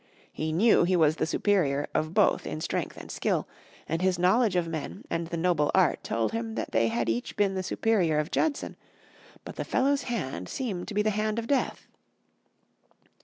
He knew he was the superior of both in strength and skill, and his knowledge of men and the noble art told him they had each been the superior of Judson; but the fellow's hand seemed to be the hand of death.